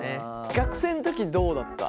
学生の時どうだった？